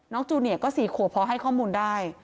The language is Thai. จูเนียก็๔ขวบพอให้ข้อมูลได้